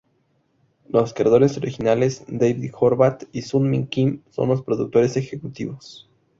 Los creadores originales, David Horvath y Sun-Min Kim, son los productores ejecutivos.